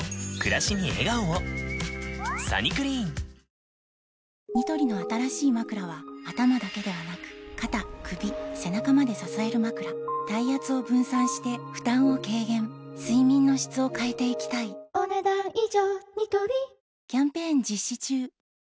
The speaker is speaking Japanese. どこにお墓があってもなくてニトリの新しいまくらは頭だけではなく肩・首・背中まで支えるまくら体圧を分散して負担を軽減睡眠の質を変えていきたいお、ねだん以上。